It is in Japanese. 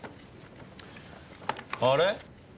あれ？